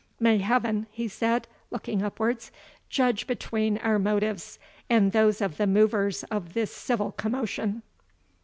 May Heaven," he said, looking upwards, "judge between our motives, and those of the movers of this civil commotion!"